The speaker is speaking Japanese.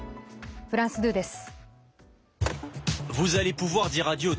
フランス２です。